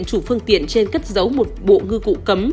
chủ phương tiện trên cất giấu một bộ ngư cụ cấm